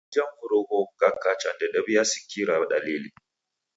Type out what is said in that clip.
Sa w'uja mvurugho ghukakacha, ndedaw'iasikiria dalili.